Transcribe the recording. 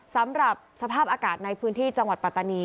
สำหรับสภาพอากาศในพื้นที่จังหวัดปัตตานี